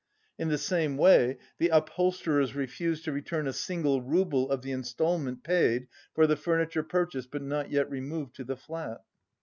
In the same way the upholsterers refused to return a single rouble of the instalment paid for the furniture purchased but not yet removed to the flat.